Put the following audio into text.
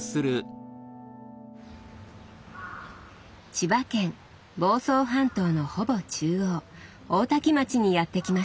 千葉県房総半島のほぼ中央大多喜町にやって来ました。